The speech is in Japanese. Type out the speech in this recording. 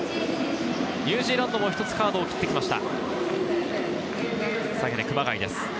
ニュージーランドも１つカードを切ってきました。